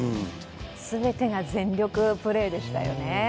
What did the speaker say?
全てが全力プレーでしたよね。